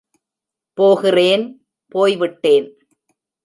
போகிறேன், போய் விட்டேன்.